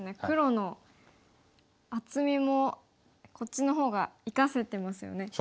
黒の厚みもこっちの方が生かせてますよね。